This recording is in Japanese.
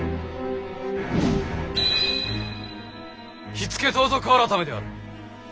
火付盗賊改である。